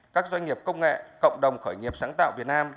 các doanh nghiệp công nghệ cộng đồng khởi nghiệp sáng tạo việt nam